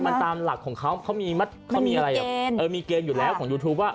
มันตามหลักของเขาเขามีเขามีอะไรอ่ะเออมีเกณฑ์อยู่แล้วของยูทูปว่า